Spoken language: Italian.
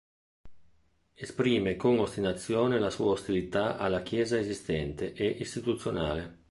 Esprime con ostinazione la sua ostilità alla Chiesa esistente e istituzionale.